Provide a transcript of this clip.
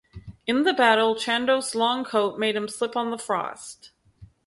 In the battle, Chandos' long coat made him slip on the frost.